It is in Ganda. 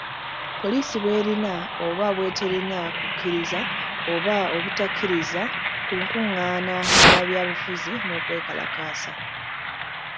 Poliisi bw’erina oba bw’eterina ku kukkiriza oba obutakkiriza nkung’aana za byabufuzi n’okwekalakaasa.